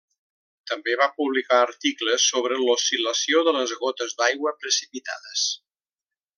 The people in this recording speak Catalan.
També va publicar articles sobre l'oscil·lació de les gotes d'aigua precipitades.